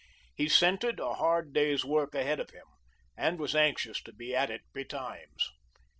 He scented a hard day's work ahead of him, and was anxious to be at it betimes.